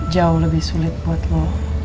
jauh lebih sulit buat lo